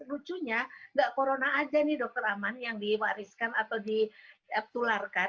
lucunya nggak corona aja nih dokter aman yang diwariskan atau ditularkan